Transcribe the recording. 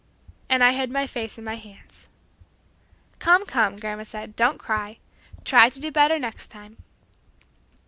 and I hid my face in my hands. "Come, come," grandma said, "don't cry. Try to do better next time."